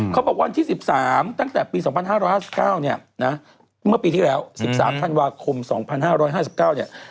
วันที่๑๓ตั้งแต่ปี๒๕๕๙เนี่ยนะเมื่อปีที่แล้ว๑๓ธันวาคม๒๕๕๙เนี่ย